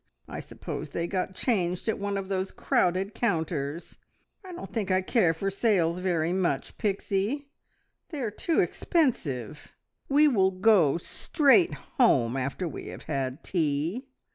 I suppose they got changed at one of those crowded counters. I don't think I care for sales very much, Pixie; they are too expensive. We will go straight home after we have had tea."